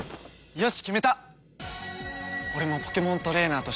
よし！